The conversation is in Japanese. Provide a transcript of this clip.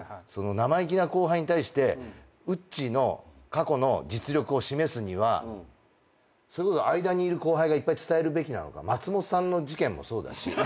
生意気な後輩に対してうっちーの過去の実力を示すにはそれこそ間にいる後輩がいっぱい伝えるべきなのか松本さんの事件もそうだし。